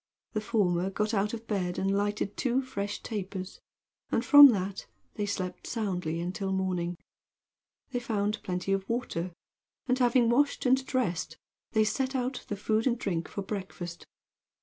The former got out of bed and lighted two fresh tapers, and from that they slept soundly until morning. They found plenty of water, and having washed and dressed, they set out the food and drink for breakfast.